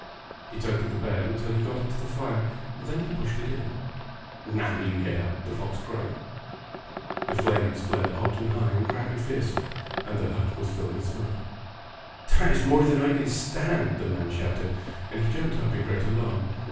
He tugged at the bed until he got it to the fire. Then he pushed it in. "Now will you get up?" the fox cried. The flames flared hot and^high and crack led fiercely, and the hut was filled with smoke. 66 Fairy Tale Foxes "That is more than I can stand!" the man shouted, and he jumped up in great alarm.